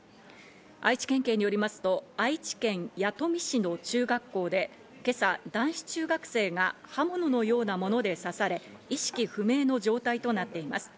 愛知県警によりますと、愛知県弥富市の中学校で今朝、男子中学生が刃物のようなもので刺され、意識不明の状態となっています。